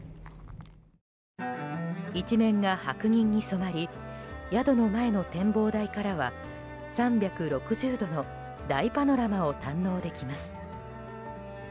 一面が白銀に染まり宿の前の展望台からは３６０度の大パノラマを堪能できます。